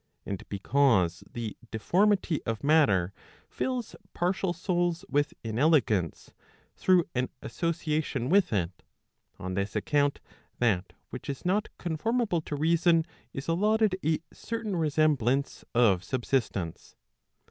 And because the deformity of matter fills partial souls with inelegance, through an association with it, on this account that which is not conformable to reason is allotted a certain resemblance of subsistence.